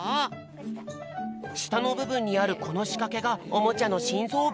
したのぶぶんにあるこのしかけがおもちゃのしんぞうぶ。